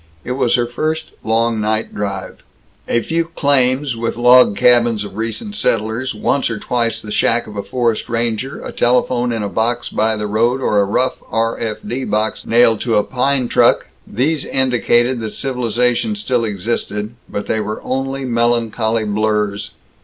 It was her first long night drive. A few claims, with log cabins of recent settlers, once or twice the shack of a forest ranger, a telephone in a box by the road or a rough R. F. D. box nailed to a pine trunk, these indicated that civilization still existed, but they were only melancholy blurs.